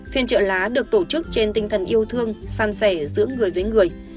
phiên trợ lá được tổ chức trên tinh thần yêu thương san sẻ giữa người với người